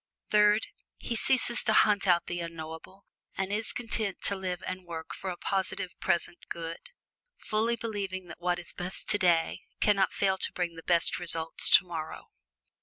Third, he ceases to hunt out the unknowable, and is content to live and work for a positive present good, fully believing that what is best today can not fail to bring the best results tomorrow.